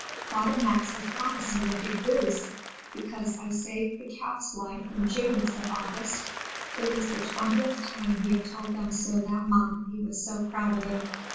"Father Max has promised me a big goose, because I saved the calf's life in June," said August; it was the twentieth time he had told them so that month, he was so proud of it.